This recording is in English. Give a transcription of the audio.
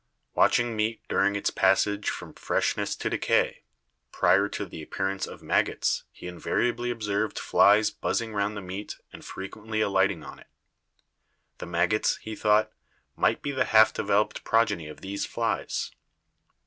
Watching meat during its passage from freshness to decay, prior to the appearance of maggots he invariably observed flies buzzing round the meat and frequently alighting on it. The maggots, he thought, might be the half developed progeny of these flies.